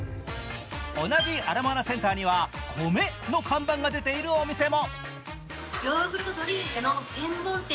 同じアラモアナセンターには「米」の看板が出ているお店も。